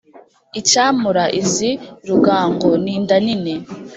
acyamura izi rugango ninda nini